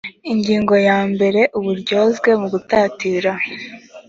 ingingo ya mbere uburyozwe mu gutatira